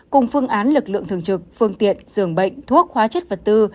cùng phương án lực lượng thường trực phương tiện dường bệnh thuốc hóa chất vật tư